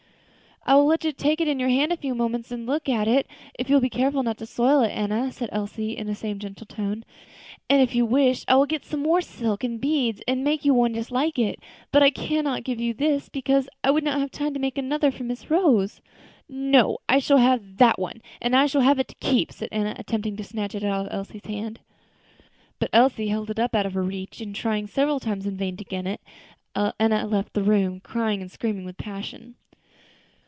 "I will let you take it in your hand a few moments to look at it, if you will be careful not to soil it, Enna," said Elsie, in the same gentle tone; "and if you wish, I will get some more silk and beads, and make you one just like it; but I cannot give you this, because I would not have time to make another for Miss Rose." "No, I shall just have that one; and I shall have it to keep," said Enna, attempting to snatch it out of Elsie's hand. But Elsie held it up out of her reach, and after trying several times in vain to get it, Enna left the room, crying and screaming with passion.